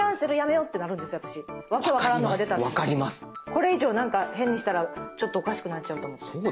これ以上何か変にしたらちょっとおかしくなっちゃうと思って。